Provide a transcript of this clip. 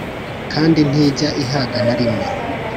kandi ntijya ihaga na rimwe